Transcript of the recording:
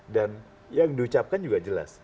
dan yang diucapkan juga jelas